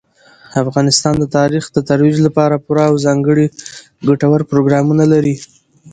افغانستان د تاریخ د ترویج لپاره پوره او ځانګړي ګټور پروګرامونه لري.